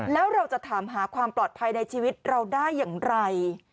แล้วเราจะถามหาความปลอดภัยในชีวิตเราได้อย่างไร